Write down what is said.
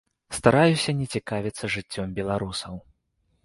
Стараюся не цікавіцца жыццём беларусаў.